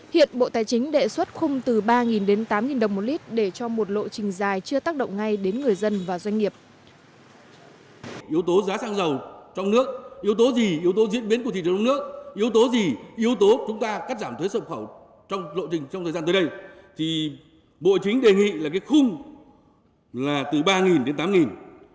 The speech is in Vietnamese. hiện bộ tài chính đề xuất khung từ ba đến tám đồng một lít để cho một lộ trình dài chưa tác động ngay đến người dân